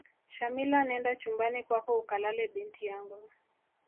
shamila nenda chumbani kwako ukalale binti yangu